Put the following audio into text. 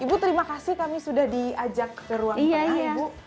ibu terima kasih kami sudah diajak ke ruang tengah ibu